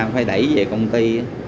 phải đẩy về công ty